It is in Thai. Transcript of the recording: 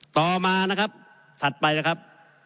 ต่อมานะครับถัดไปนะครับ